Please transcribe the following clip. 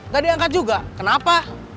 gak diangkat juga kenapa